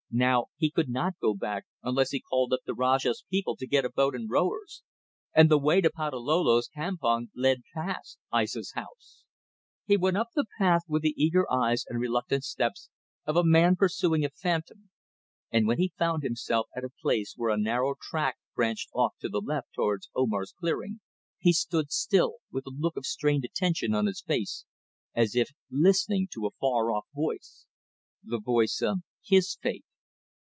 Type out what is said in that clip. Now he could not go back unless he called up the Rajah's people to get a boat and rowers and the way to Patalolo's campong led past Aissa's house! He went up the path with the eager eyes and reluctant steps of a man pursuing a phantom, and when he found himself at a place where a narrow track branched off to the left towards Omar's clearing he stood still, with a look of strained attention on his face as if listening to a far off voice the voice of his fate.